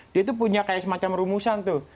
dia tuh punya kayak semacam rumusan tuh